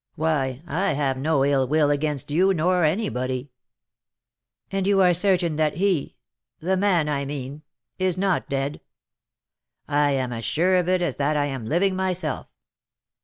Why, I have no ill will against you nor anybody." "And you are certain that he (the man, I mean) is not dead?" "I am as sure of it as that I am living myself."